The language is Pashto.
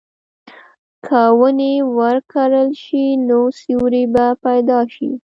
که ونې وکرل شي، نو سیوری به پیدا شي.